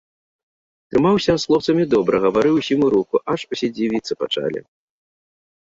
Трымаўся з хлопцамі добра, гаварыў усім у руку, аж усе дзівіцца пачалі.